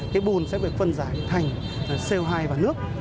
cái bùn sẽ được phân giải thành co hai và nước